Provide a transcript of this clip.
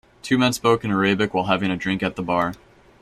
Two men spoke in Arabic while having a drink at the bar.